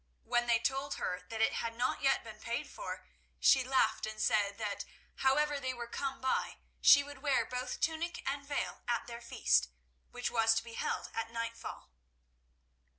When they told her that it had not yet been paid for, she laughed and said that, however they were come by, she would wear both tunic and veil at their feast, which was to be held at nightfall.